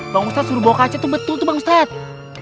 bang ustadz suruh bawa kaca itu betul tuh bang ustadz